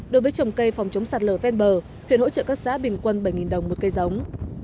đối với trồng cây phòng chống sạt lở ven bờ huyện hỗ trợ các xã bình quân bảy đồng một cây giống